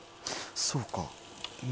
そうか。